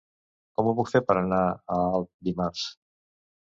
Com ho puc fer per anar a Alp dimarts?